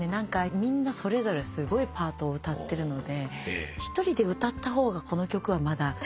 みんなそれぞれすごいパートを歌ってるので１人で歌った方がこの曲はまだ。